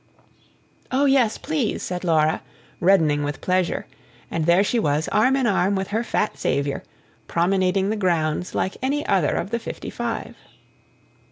"Oh yes, PLEASE," said Laura, reddening with pleasure; and there she was, arm in arm with her fat saviour, promenading the grounds like any other of the fifty five.